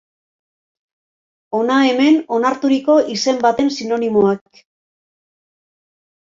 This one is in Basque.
Hona hemen onarturiko izen baten sinonimoak.